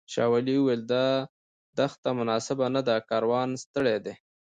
شاولي وویل دا دښته مناسبه نه ده کاروان ستړی دی.